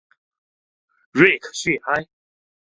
瑞克叙埃。